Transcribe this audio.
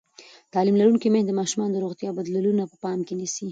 تعلیم لرونکې میندې د ماشومانو د روغتیا بدلونونه په پام کې نیسي.